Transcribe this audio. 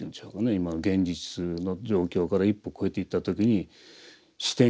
今現実の状況から一歩越えていった時に視点が変わる。